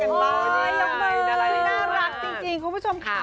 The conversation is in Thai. น่ารักจริงคุณผู้ชมค่ะ